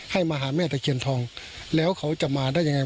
ให้มาหาแม่ตะเคียนทองแล้วเขาจะมาได้ยังไง